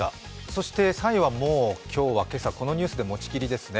そして３位は、もう今朝はこのニュースで持ちきりですね。